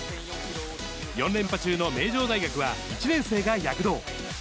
４連覇中の名城大学は１年生が躍動。